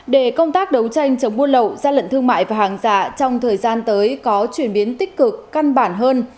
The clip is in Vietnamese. để công tác đấu tranh chống buôn lậu gian lận thương mại và hàng giả trong thời gian tới có chuyển biến tích cực căn bản hơn